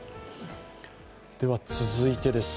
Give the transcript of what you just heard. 続いてです。